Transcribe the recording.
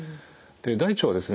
大腸はですね